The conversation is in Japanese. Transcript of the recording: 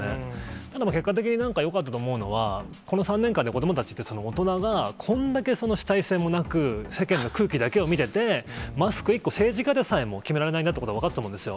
ただ、結果的になんかよかったと思うのは、この３年間で子どもたちって、大人がこんだけ主体性もなく、世間の空気だけを見てて、マスク一個、政治家ですら決められないということが分かったと思うんですよ。